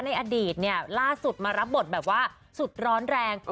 ในอดีตเนี่ยล่าสุดมารับบทแบบว่าสุดร้อนแรง